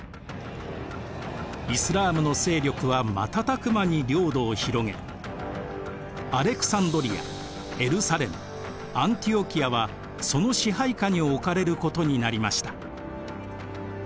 イスラームの勢力は瞬く間に領土を広げアレクサンドリアエルサレムアンティオキアはその支配下に置かれることになりました。